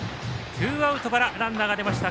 ツーアウトからランナーが出ました。